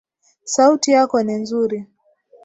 Sauti yako ni nzuri